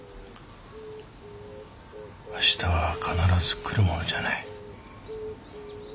明日は必ず来るものじゃない。